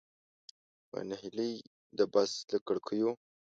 په نهیلۍ د بس له کړکیو.